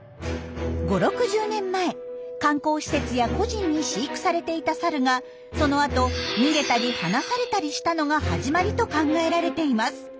５０６０年前観光施設や個人に飼育されていたサルがそのあと逃げたり放されたりしたのが始まりと考えられています。